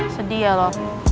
sedih ya lo